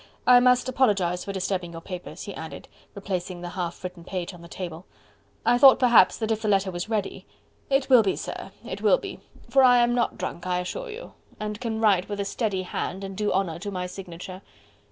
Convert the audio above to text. I must apologize for disturbing your papers," he added, replacing the half written page on the table, "I thought perhaps that if the letter was ready ..." "It will be, sir... it will be... for I am not drunk, I assure you.... and can write with a steady hand... and do honour to my signature...."